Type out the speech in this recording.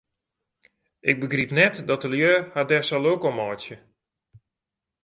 Ik begryp net dat de lju har dêr sa lilk om meitsje.